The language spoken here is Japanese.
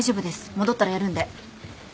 戻ったらやるんで。